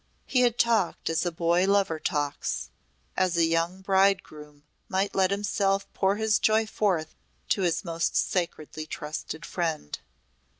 He had talked as a boy lover talks as a young bridegroom might let himself pour his joy forth to his most sacredly trusted friend.